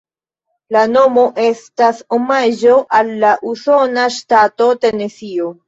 La nomo estas omaĝo al la usona ŝtato Tenesio.